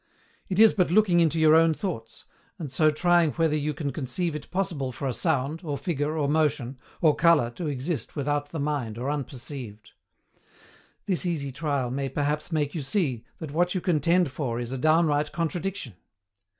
It is but looking into your own thoughts, and so trying whether you can conceive it possible for a sound, or figure, or motion, or colour to exist without the mind or unperceived. This easy trial may perhaps make you see that what you contend for is a downright contradiction.